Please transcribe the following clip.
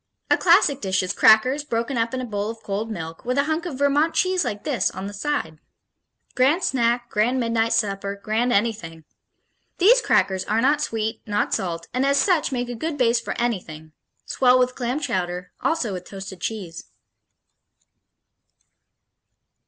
A classic dish is crackers, broken up in a bowl of cold milk, with a hunk of Vermont cheese like this on the side. Grand snack, grand midnight supper, grand anything. These crackers are not sweet, not salt, and as such make a good base for anything swell with clam chowder, also with toasted cheese....